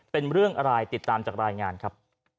เป็นเรื่องอะไรติดตามจากรายงานครับ